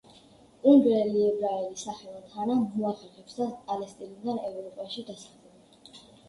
უნგრელი ებრაელი სახელად ჰანა, მოახერხებს და პალესტინიდან ევროპაში დასახლდება.